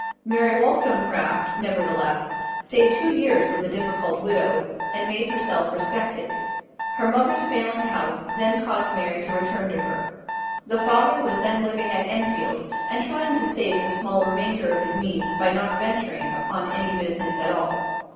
Mary Wollstonecraft, nevertheless, stayed two years with the difficult widow, and made herself respected. Her mother's failing health then caused Mary to return to her. The father was then living at Enfield, and trying to save the small remainder of his means by not venturing upon any business at all.